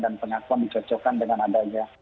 dan pengakuan dicocokkan dengan adanya